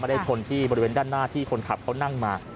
ได้ชนที่บริเวณด้านหน้าที่คนขับเขานั่งมา